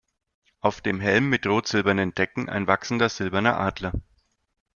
Auf dem Helm mit rot-silbernen Decken ein wachsender Silberner Adler.